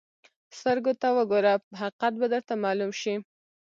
سترګو ته وګوره، حقیقت به درته معلوم شي.